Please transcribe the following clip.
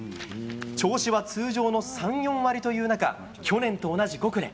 調子は通常の３、４割という中、去年と同じ５区で。